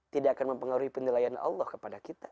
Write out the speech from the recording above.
tidak akan mempengaruhi penilaian allah kepada kita